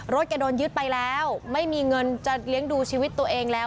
แกโดนยึดไปแล้วไม่มีเงินจะเลี้ยงดูชีวิตตัวเองแล้ว